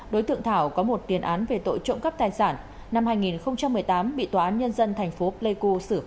đối tượng thảo có một tiền án về tội trộm cắp tài sản năm hai nghìn một mươi tám bị tòa án nhân dân thành phố pleiku xử phạt ba mươi ba tháng tù giảm